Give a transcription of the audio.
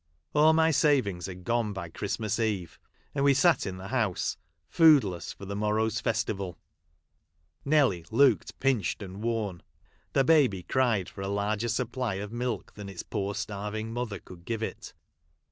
All my savings had gone by Christmas Eve, and we sat in the house, foodless for the morrow's festival. Nelly looked pinched and worn ; the baby cried for a larger supply of milk than its poor starving mother could give it.